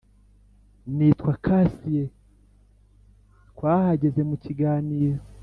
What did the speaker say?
nitwa kasiye twahageze mukiganiro